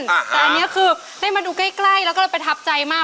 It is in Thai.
แต่อันนี้คือได้มาดูใกล้แล้วก็เลยประทับใจมาก